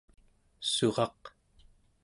suraq